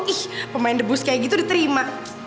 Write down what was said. ih pemain debus kayak gitu diterima